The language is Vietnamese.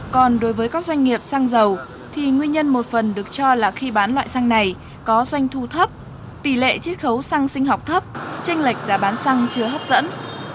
còn đối với các doanh nghiệp xăng dầu thì nguyên nhân một phần được cho là khi bán loại xăng này có doanh thu thấp tỷ lệ chiết khấu xăng sinh học thấp tranh lệch giá bán xăng chưa hấp dẫn